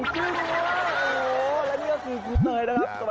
ก็นี่ก็คือครูเตยนะครับ